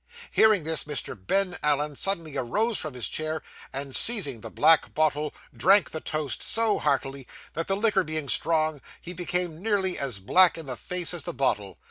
Hearing this, Mr. Ben Allen suddenly arose from his chair, and, seizing the black bottle, drank the toast so heartily, that, the liquor being strong, he became nearly as black in the face as the bottle.